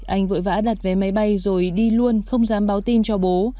anh vội vã đặt vé máy bay rồi đi luôn không dám báo tin cho bố